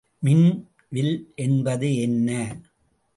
மின் வில் என்பது என்ன?